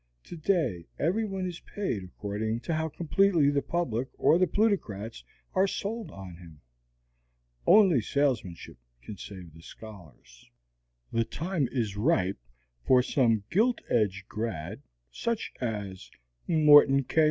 Today every one is paid according to how completely the public or the plutocrats are "sold" on him. Only salesmanship can save the scholars. The time is ripe for some gilt edged grad such as Morton K.